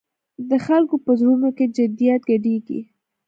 د خلکو په زړونو کې جدیت ګډېږي.